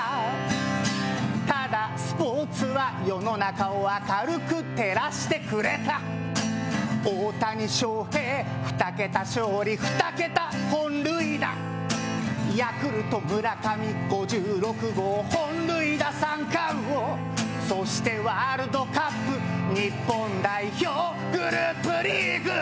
ただスポーツは世の中を明るく照らしてくれた大谷翔平２桁勝利２桁本塁打ヤクルト村上５６号本塁打三冠王そしてワールドカップ日本代表グループリーグ